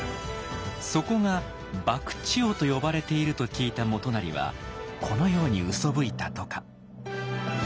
そこが「博打尾」と呼ばれていると聞いた元就はこのようにうそぶいたとか。